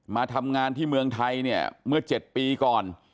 มาทำงานที่เมืองไทยเนี่ยเมื่อ๗ปีก่อน